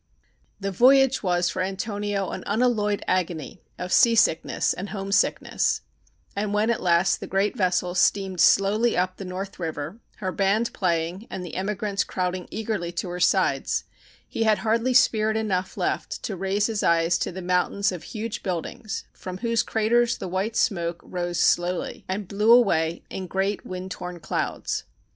The voyage was for Antonio an unalloyed agony of seasickness and homesickness, and when at last the great vessel steamed slowly up the North River, her band playing and the emigrants crowding eagerly to her sides, he had hardly spirit enough left to raise his eyes to the mountains of huge buildings from whose craters the white smoke rose slowly and blew away in great wind torn clouds.